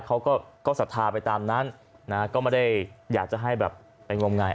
เขาก็ศรัทธาไปตามนั้นนะก็ไม่ได้อยากจะให้แบบไปงมงาย